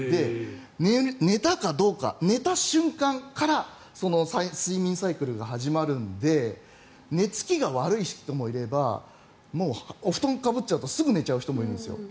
寝たかどうか、寝た瞬間から睡眠サイクルが始まるので寝付きが悪い人もいればお布団かぶっちゃうとすぐ寝ちゃう人もいるんですよ。